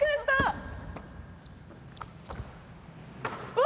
うわ！